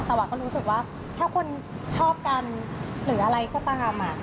แต่ว่าก็รู้สึกว่าถ้าคนชอบกันหรืออะไรก็ตาม